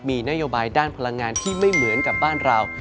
มีนโยบายด้านพลังงานที่ไม่เหมือนกับบ้านเรา